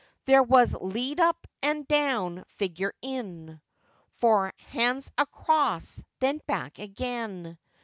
There was lead up and down, figure in, Four hands across, then back again.